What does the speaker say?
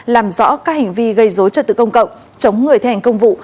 làm rõ các hành vi gây dối trật tự công cộng chống người thi hành công vụ